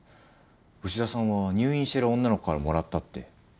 牛田さんは入院してる女の子からもらったって。